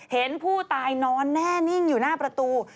เห็นผู้ตายนอนแน่นิ่งอยู่หน้าประตู